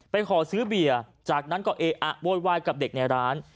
ขอซื้อเบียร์จากนั้นก็เออะโวยวายกับเด็กในร้าน